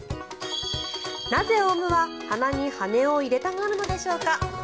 なぜオウムは鼻に羽根を入れたがるのでしょうか。